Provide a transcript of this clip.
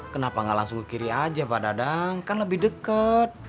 kenapa nggak langsung ke kiri aja pak dadang kan lebih dekat